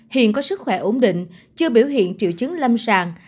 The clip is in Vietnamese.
hiện có sức khỏe ổn định chưa biểu hiện triệu chứng lâm sàng